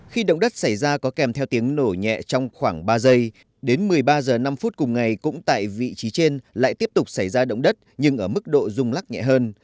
khi động đất xảy ra có kèm theo tiếng nổ nhẹ trong khoảng ba giây đến một mươi ba h năm cùng ngày cũng tại vị trí trên lại tiếp tục xảy ra động đất nhưng ở mức độ rung lắc nhẹ hơn